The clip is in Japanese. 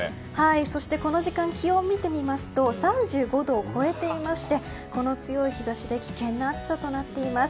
そしてこの時間気温を見てみますと３５度を超えていてこの強い日差しで危険な暑さとなっています。